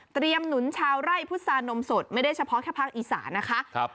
หนุนชาวไร่พุษานมสดไม่ได้เฉพาะแค่ภาคอีสานนะคะ